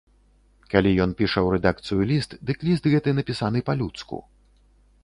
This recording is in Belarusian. Калі ён піша ў рэдакцыю ліст, дык ліст гэты напісаны па-людску.